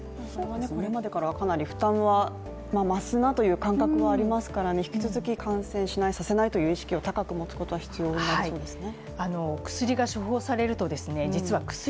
これまでからはかなり負担は増すなという感覚はありますから引き続き感染しない、させないという意識を高く持つことが必要になりますね。